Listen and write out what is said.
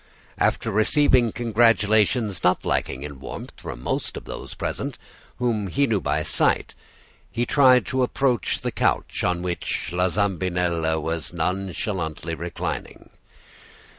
"After receiving congratulations not lacking in warmth from most of those present, whom he knew by sight, he tried to approach the couch on which La Zambinella was nonchalantly reclining.